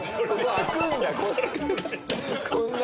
開くんだ！